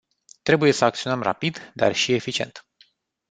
Trebuie să acționăm rapid, dar și eficient.